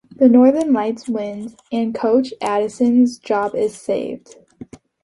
The Northern Lights win and coach Addison's job is saved.